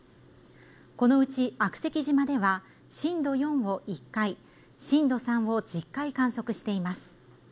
このうち悪石島では震度４を１回震度３を１０回観測しています